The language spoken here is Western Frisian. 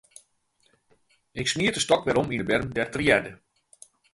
Ik smiet de stôk werom yn 'e berm, dêr't er hearde.